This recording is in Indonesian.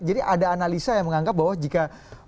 jadi ada analisa yang menganggap bahwa jika